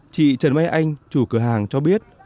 chị trần may anh chủ cửa hàng cho biết